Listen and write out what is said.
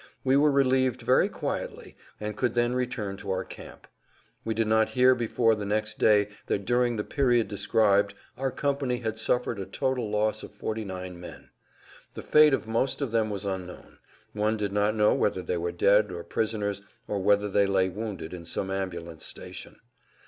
We were relieved very quietly, and could then return to our camp. We did not hear before the next day that during the period described our company had suffered a total loss of 49 men. The fate of most of them was unknown; one did not know whether they were dead or prisoners or whether they lay wounded in some ambulance station.